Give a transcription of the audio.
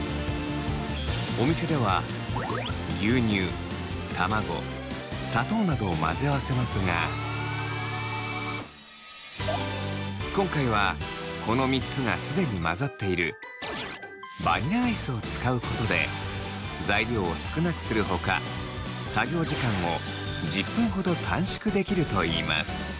お店では牛乳卵砂糖などを混ぜ合わせますが今回はこの３つが既に混ざっているバニラアイスを使うことで材料を少なくするほか作業時間を１０分ほど短縮できるといいます。